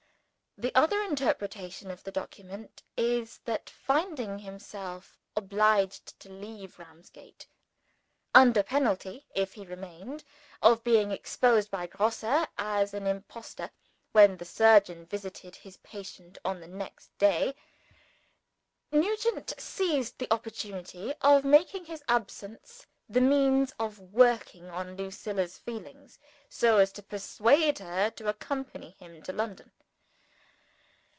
The other interpretation of the document is, that finding himself obliged to leave Ramsgate under penalty (if he remained) of being exposed by Grosse as an impostor, when the surgeon visited his patient on the next day Nugent seized the opportunity of making his absence the means of working on Lucilla's feelings, so as to persuade her to accompany him to London.